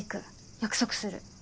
約束する。